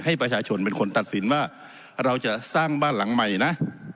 ให้ประชาชนเป็นคนตัดสินว่าเราจะสร้างบ้านหลังใหม่นะ